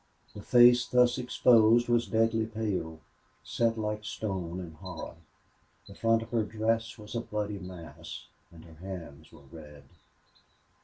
The face thus exposed was deathly pale, set like stone in horror. The front of her dress was a bloody mass, and her hands were red.